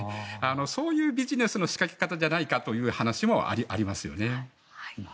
そういうビジネスの仕掛け方じゃないかという話もありますよね。